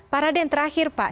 pak raden terakhir pak